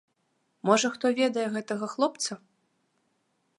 Можа хто ведае гэтага хлопца?